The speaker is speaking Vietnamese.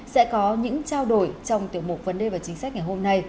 sẽ có những trao đổi trong tiểu mục vấn đề và chính sách ngày hôm nay